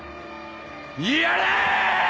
やれ！